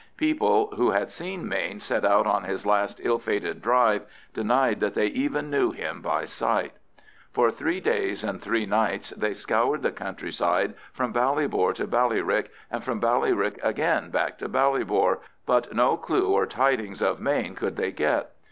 People who had seen Mayne set out on his last ill fated drive denied that they even knew him by sight. For three days and three nights they scoured the countryside from Ballybor to Ballyrick, and from Ballyrick back again to Ballybor, but no clue or tidings of Mayne could they get.